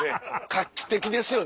画期的ですよね。